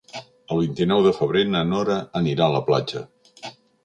El vint-i-nou de febrer na Nora anirà a la platja.